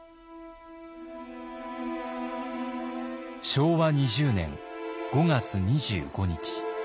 昭和２０年５月２５日。